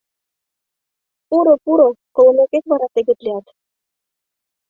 Пуро, пуро, колымекет вара тегыт лият...